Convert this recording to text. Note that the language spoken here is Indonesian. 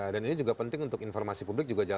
dan ini juga penting untuk informasi publik juga